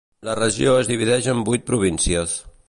La regió es divideix en vuit províncies.